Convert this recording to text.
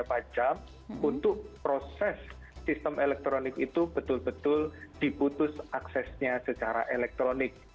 berapa jam untuk proses sistem elektronik itu betul betul diputus aksesnya secara elektronik